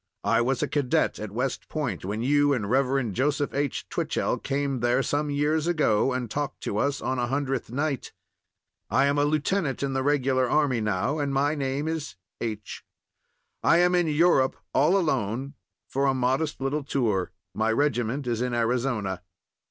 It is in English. I was a cadet at West Point when you and Rev. Joseph H. Twichell came there some years ago and talked to us on a Hundredth Night. I am a lieutenant in the regular army now, and my name is H. I am in Europe, all alone, for a modest little tour; my regiment is in Arizona."